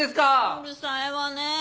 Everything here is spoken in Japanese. うるさいわね。